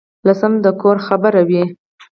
لمسی د کور خبره وي.